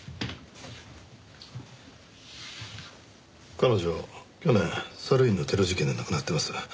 彼女去年サルウィンのテロ事件で亡くなってます。